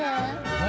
・何？